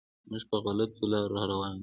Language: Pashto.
موږ په غلطو لارو روان یم.